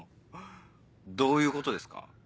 どういうことですか？